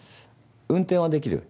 運転はできる？